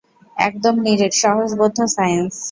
একদম নিরেট, সহজবোধ্য সায়েন্স!